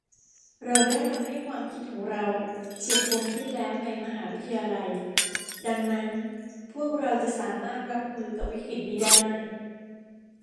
เราได้ทำให้ความคิดของเราเฉียบคมขึ้นแล้วในมหาวิทยาลัยดังนั้นพวกเราจะสามารถรับมือกับวิกฤตินี้ได้